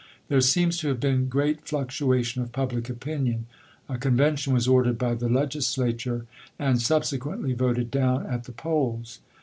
There seems to have been great fluctuation of public opinion. A convention was ordered by the Legislature and subsequently voted down at the polls.